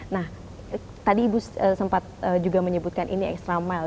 nah tadi ibu sempat juga menyebutkan ini extra mile